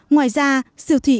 ngoài ra siêu thị